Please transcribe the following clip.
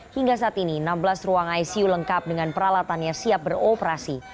hingga saat ini enam belas ruang icu lengkap dengan peralatannya siap beroperasi